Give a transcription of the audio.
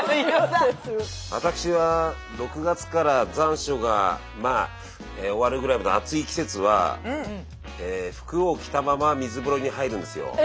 私は６月から残暑がまあ終わるぐらいまでの暑い季節は服を着たまま水風呂に入るんですよ。